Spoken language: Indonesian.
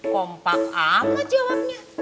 kompak amat jawabnya